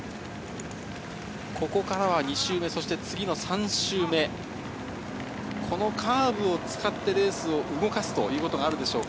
ここからは次の２周目、３周目、このカーブを使って、レースを動かすということがあるでしょうか。